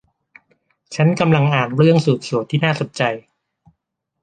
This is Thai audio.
ฉันกำลังอ่านเรื่องสืบสวนที่น่าสนใจ